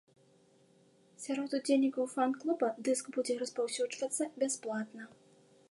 Сярод удзельнікаў фан-клуба дыск будзе распаўсюджвацца бясплатна.